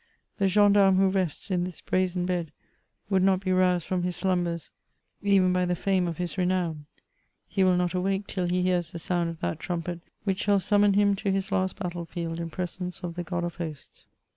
The gendarme who rests in this brazen bed, would not be roused from his slumbers even by the fame of his CHATEAUBRIAND. 149 renown. He will not awake till he hears the sound of that tmmpet, which shall summon him to his last hattle field in presence of the God of Hosts.